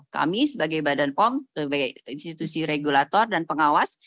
kami sebagai badan pom sebagai institusi regulator dan pengawas